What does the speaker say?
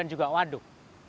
dan juga waduk